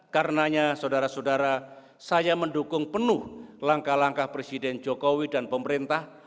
karenanya saudara saudara saya mendukung penuh langkah langkah presiden jokowi dan pemerintah